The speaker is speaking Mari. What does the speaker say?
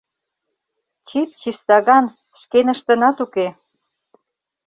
Чип-чистаган — шкеныштынат уке!